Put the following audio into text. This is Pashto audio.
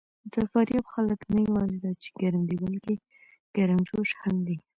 د فاریاب خلک نه یواځې دا چې ګرم دي، بلکې ګرمجوش هم دي.